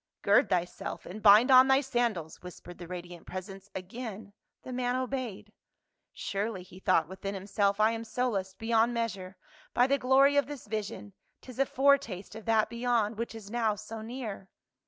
" Gird thyself, and bind on thy sandals," whispered the radiant presence. Again the man obeyed. " Surely," he thought within himself, " I am solaced beyond measure by the glory of this vision ; 'tis a foretaste of that beyond, which is now so near."